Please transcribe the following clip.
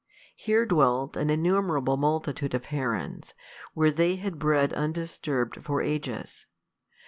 Here dwelt an innumerable multitude of herons, where they had bred undisturbed for ages.